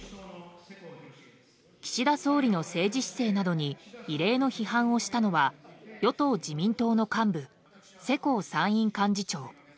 岸田総理の政治姿勢などに異例の批判をしたのは与党・自民党の幹部世耕参院幹事長。